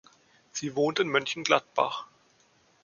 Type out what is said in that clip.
Sie wohnt in Mönchengladbach.